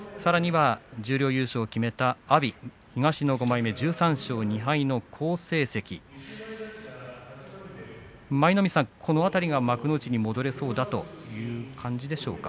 十両優勝を決めた阿炎東の５枚目で１３勝２敗の好成績舞の海さん、この辺り幕内に戻れそうだという感じでしょうか。